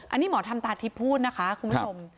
อันนี้หมอธรรมตาทิพย์พูดนะคะคุณผู้ชม